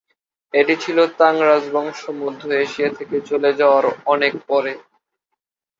এটি ছিল তাং রাজবংশ মধ্য এশিয়া থেকে চলে যাওয়ার অনেক পরে।